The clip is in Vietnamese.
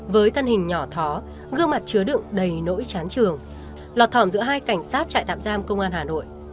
với thân hình nhỏ thó gương mặt chứa đựng đầy nỗi chán trường lọt thỏm giữa hai cảnh sát trại tạm giam công an hà nội